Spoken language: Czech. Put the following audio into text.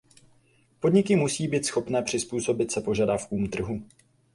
Podniky musí být schopné přizpůsobit se požadavkům trhu.